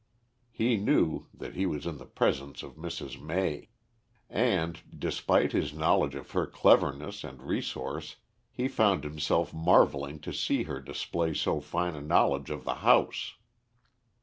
He knew that he was in the presence of Mrs. May. And, despite his knowledge of her cleverness and resource, he found himself marveling to see her display so fine a knowledge of the house.